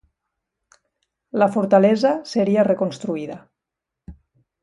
La fortalesa seria reconstruïda.